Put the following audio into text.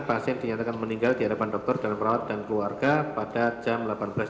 pasien dinyatakan meninggal di hadapan dokter dan perawat dan keluarga pada jam delapan belas dua puluh